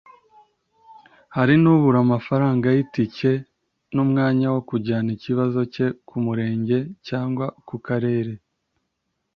hari n’ubura amafaranga y’itike n’umwanya wo kujyana ikizazo cye ku murenge cyangwa ku karere